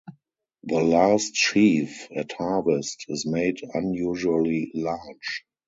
The last sheaf at harvest is made unusually large.